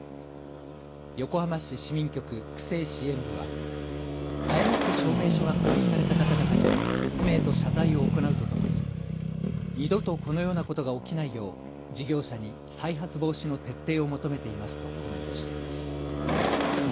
横浜市市民局区政支援部は誤って証明書が交付された方々に説明と謝罪を行うとともに二度とこのようなことが起きないよう事業者に再発防止の徹底を求めていますとコメントしています。